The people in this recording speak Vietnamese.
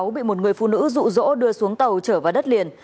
hai nghìn sáu bị một người phụ nữ dụ dỗ đưa xuống tàu trở vào đất liền